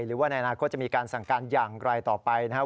หรือว่าในอนาคตจะมีการสั่งการอย่างไรต่อไปนะครับ